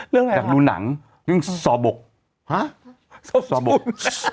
เรื่องไหนล่ะพี่กะบวง